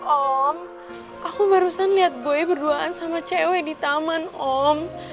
om aku barusan lihat boy berduaan sama cewek di taman om